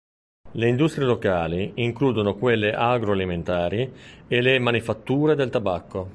Le industrie locali includono quelle agro-alimentari e le manifatture del tabacco.